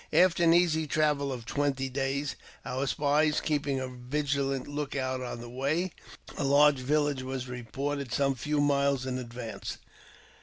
After an easy travel of twenty days, our spies keeping a viligant look out on the way, a large village was re ported some few miles in advance.